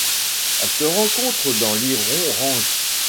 Elle se rencontre dans l'Iron Range.